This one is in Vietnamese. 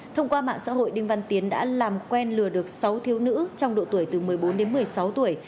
thông qua mạng xã hội đinh văn tiến đã làm quen lừa được sáu thiếu nữ trong độ tuổi từ một mươi bốn đến một mươi sáu tuổi